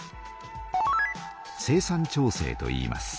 生産調整といいます。